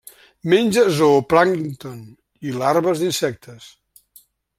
Menja zooplàncton i larves d'insectes.